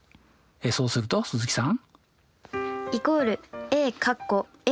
そうすると鈴木さん？